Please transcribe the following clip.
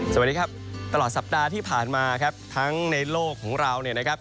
สวัสดีครับตลอดสัปดาห์ที่ผ่านมาครับทั้งในโลกของเราเนี่ยนะครับ